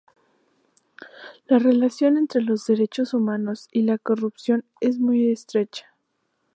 La relación entre los derechos humanos y la corrupción es muy estrecha.